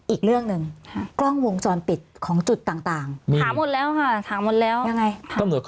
อีกเรื่องหนึ่งกล้องวงจรปิดของจุดต่าง